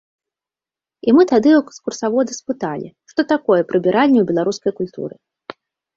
І мы тады ў экскурсавода спыталі, што такое прыбіральня ў беларускай культуры.